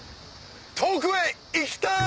遠くへ行きたい！